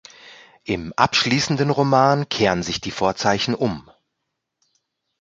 Im abschließenden Roman kehren sich die Vorzeichen um.